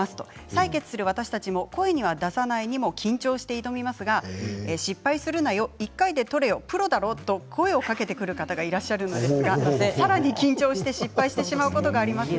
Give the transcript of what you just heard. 採血する私たちも、声には出さないでも緊張して挑みますが失敗するないよ、１回で採れよプロだろ、と声をかけてくる方がいらっしゃるのですがさらに緊張して失敗してしまうことがあります。